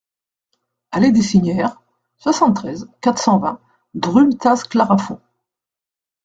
Allée des Signères, soixante-treize, quatre cent vingt Drumettaz-Clarafond